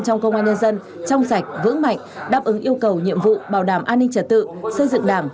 trong công an nhân dân trong sạch vững mạnh đáp ứng yêu cầu nhiệm vụ bảo đảm an ninh trật tự xây dựng đảng